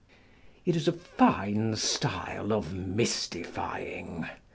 It is a fine style of mystifying.